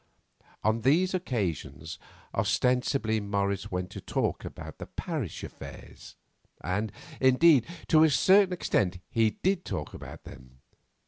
On these occasions ostensibly Morris went to talk about parish affairs, and, indeed, to a certain extent he did talk about them.